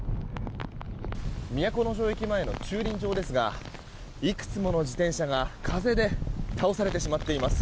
都城駅前の駐輪場ですがいくつもの自転車が風で倒されてしまっています。